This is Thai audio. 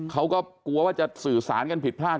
เขาก็กลัวว่าจะสื่อสารกันผิดพลาด